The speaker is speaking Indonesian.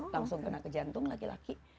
langsung kena ke jantung laki laki